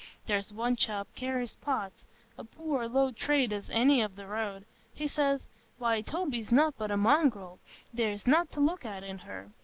There's one chap carries pots,—a poor, low trade as any on the road,—he says, 'Why Toby's nought but a mongrel; there's nought to look at in her.